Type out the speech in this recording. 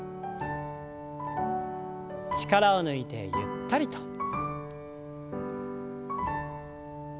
力を抜いてゆったりと。